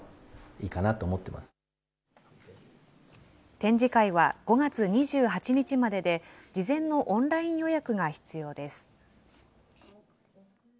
展示会は５月２８日までで、事前のオンライン予約が必要です。